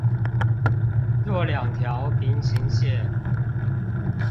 若兩條平行線